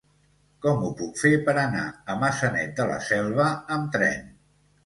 Com ho puc fer per anar a Maçanet de la Selva amb tren?